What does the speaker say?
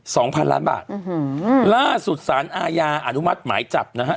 สองพันล้านบาทอื้อหือล่าสุดสารอาญาอนุมัติหมายจับนะฮะ